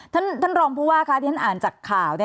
ท่านรองผู้ว่าคะที่ฉันอ่านจากข่าว